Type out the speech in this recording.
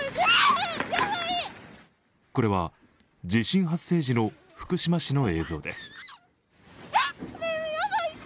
これは、地震発生時の福島市の映像です。